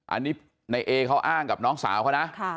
อันนี้ในเอเขาอ้างกับน้องสาวเขานะ